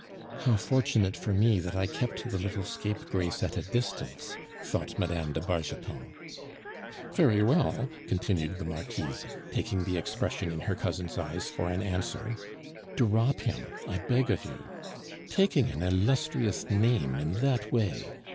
"How fortunate for me that I kept the little scapegrace at a distance!" thought Madame de Bargeton. "Very well," continued the Marquise, taking the expression in her cousin's eyes for an answer, "drop him, I beg of you. Taking an illustrious name in that way!